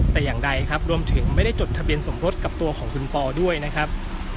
แต่อย่างใดครับรวมถึงไม่ได้จดทะเบียนสมรสกับตัวของคุณปอด้วยนะครับ